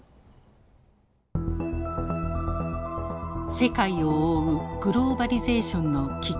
世界を覆うグローバリゼーションの危機。